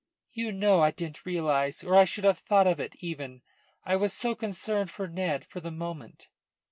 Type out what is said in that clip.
"You know I didn't realise, or I should not have thought of it even. I was so concerned for Ned for the moment."